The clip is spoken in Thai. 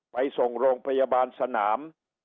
ไปส่งโรงพยาบาลสนาม